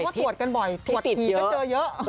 ตรวจกันบ่อยตรวจทีก็เจอเยอะ